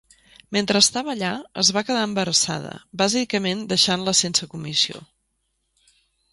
Mentre estava allà, es va quedar embarassada, bàsicament deixant-la sense comissió.